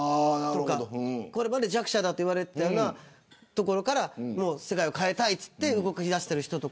これまで弱者だと言われていたようなところから変えたいということで動き出している人。